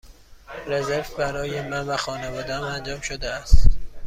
رزرو برای من و خانواده ام انجام شده است.